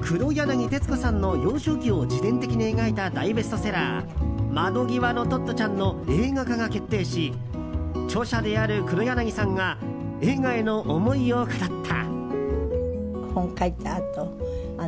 黒柳徹子さんの幼少期を自伝的に描いた大ベストセラー「窓ぎわのトットちゃん」の映画化が決定し著者である黒柳さんが映画への思いを語った。